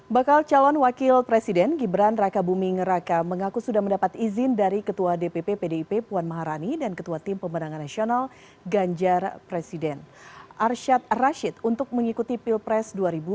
bakal calon wakil presiden gibran raka buming raka mengaku sudah mendapat izin dari ketua dpp pdip puan maharani dan ketua tim pemenangan nasional ganjar presiden arsyad rashid untuk mengikuti pilpres dua ribu dua puluh